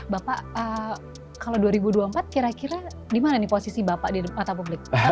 bapak kalau dua ribu dua puluh empat kira kira di mana nih posisi bapak di mata publik